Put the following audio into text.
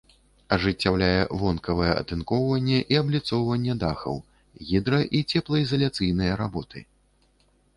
Ажыццяўляе вонкавае атынкоўванне і абліцоўванне дахаў, гідра- і цеплаізаляцыйныя работы.